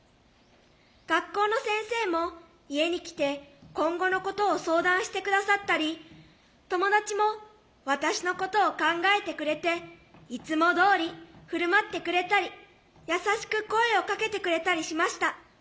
学校の先生も家に来て今後のことを相談して下さったり友達も私のことを考えてくれていつもどおり振る舞ってくれたり優しく声をかけてくれたりしました。